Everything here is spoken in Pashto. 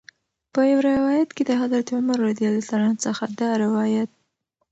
په یو روایت کې د حضرت عمر رض څخه دا روایت